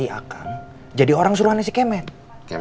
ya ada aurasan rest inginkan